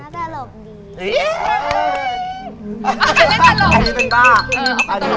เพราะว่าน้าตลอดดี